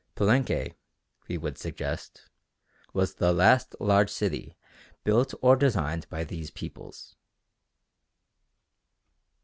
Palenque, we would suggest, was the last large city built or designed by these peoples.